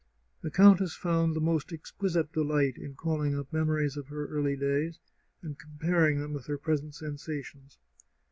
The countess found the most ex quisite delight in calling up memories of her early days, and comparing them with her present sensations.